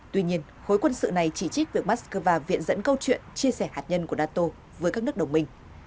tuy nhiên khối quân sự này chỉ trích việc moscow viện dẫn câu chuyện chia sẻ hạt nhân của nato với các nước đồng minh